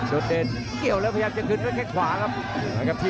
เดชเกี่ยวแล้วพยายามจะคืนด้วยแค่ขวาครับ